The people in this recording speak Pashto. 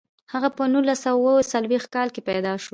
هغه په نولس سوه اووه څلویښت کال کې پیدا شو.